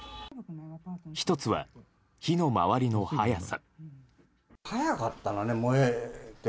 １つは、火の回りの早さ。